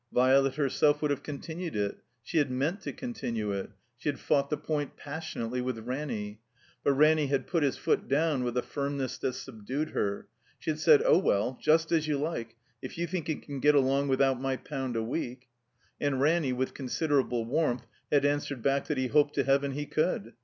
Violet herself wotdd have continued it; she had meant to continue it; she had fought the point passionately with Ranny; but Ranny had put his foot down with a firmness that subdued her. She had said, "Oh, well — ^just as you like. If you think you can get along without my pound a week." And Ranny, with considerable warmth, had answered back that he hoped to Heaven he could.